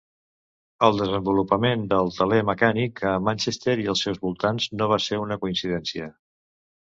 El desenvolupament del teler mecànic a Manchester i els seus voltants no va ser una coincidència.